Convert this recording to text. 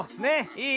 いい？